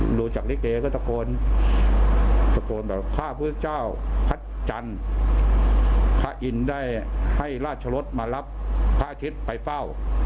รู้จักลิเกก็ตะโกนตะโกนแบบข้าพุทธเจ้าพระจันทร์พระอินทร์ได้ให้ราชรสมารับพระอาทิตย์ไปเฝ้า